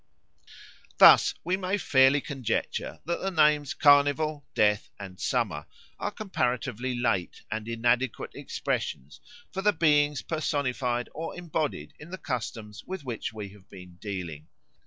Thus we may fairly conjecture that the names Carnival, Death, and Summer are comparatively late and inadequate expressions for the beings personified or embodied in the customs with which we have been dealing.